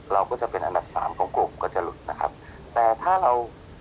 เราก็จะเป็นอันดับสามของกลุ่มก็จะหลุดนะครับแต่ถ้าเรา